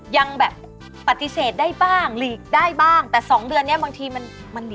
ยังแบบปฏิเสธได้บ้างหลีกได้บ้างแต่สองเดือนเนี้ยบางทีมันมันหลี